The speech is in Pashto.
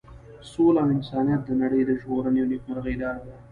سوله او انسانیت د نړۍ د ژغورنې او نیکمرغۍ لاره ده.